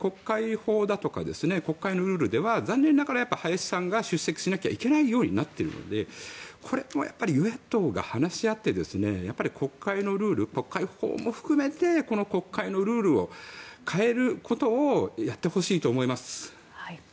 現状の国会法だとか国会のルールでは林さんが出席しなきゃいけないようになってるので与野党が話し合って国会のルール、国会法も含めて国会のルールを変えることをやってほしいと思います。